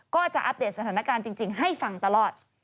ก็จะอัปเดตสถานการณ์จริงให้ฟังตลอด